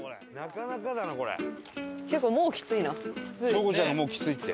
京子ちゃんがもうきついって。